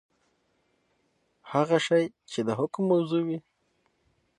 هغه شی چي د حکم موضوع وي.؟